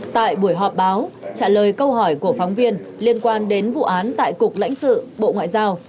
tại buổi họp báo trả lời câu hỏi của phóng viên liên quan đến vụ án tại cục lãnh sự bộ ngoại giao